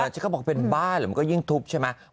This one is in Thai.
ฉันก็บอกเป็นบ้าเหรอมันก็ยิ่งทุบใช่ไหม